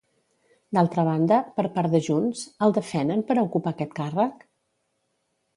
D'altra banda, per part de Junts, el defenen per a ocupar aquest càrrec?